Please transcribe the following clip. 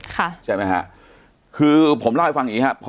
ใช่ไหมฮะคือผมเล่าให้ฟังอย่างงี้ครับ